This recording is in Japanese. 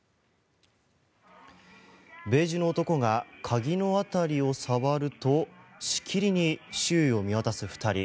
ベージュの男が鍵の辺りを触るとしきりに周囲を見渡す２人。